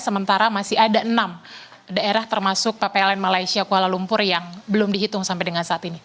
sementara masih ada enam daerah termasuk ppln malaysia kuala lumpur yang belum dihitung sampai dengan saat ini